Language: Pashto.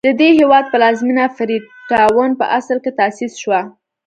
د دې هېواد پلازمېنه فري ټاون په اصل کې تاسیس شوه.